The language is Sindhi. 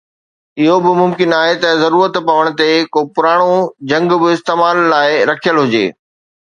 اهو به ممڪن آهي ته ضرورت پوڻ تي ڪو پراڻو جهنگ به استعمال لاءِ رکيل هجي.